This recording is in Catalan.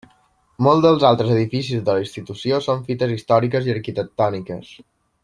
Molts dels altres edificis de la Institució són fites històriques i arquitectòniques.